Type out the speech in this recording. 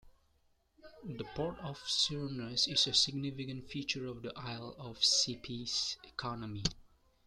The Port of Sheerness is a significant feature of the Isle of Sheppey's economy.